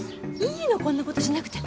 いいのこんな事しなくて。